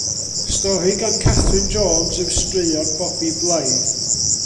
Stori gan Catherine Jones yw Straeon Bobi Blaidd.